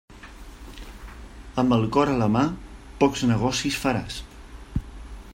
Amb el cor en la mà, pocs negocis faràs.